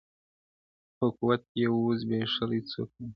• خو قوت یې وو زبېښلی څو کلونو -